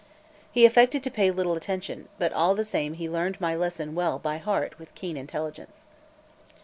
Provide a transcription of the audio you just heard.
He affected to pay little attention; but all the same he learned my lesson well by heart with keen intelligence.